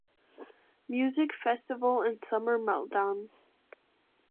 Music Festival and Summer Meltdown.